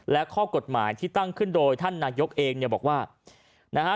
และข้อกฎหมายที่ตั้งขึ้นโดยท่านนายกเองเนี่ยบอกว่านะฮะ